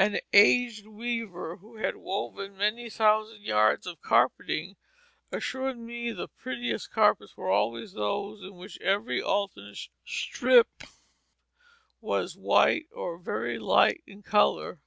An aged weaver who had woven many thousand yards of carpeting assured me the prettiest carpets were always those in which every alternate strip was white or very light in color.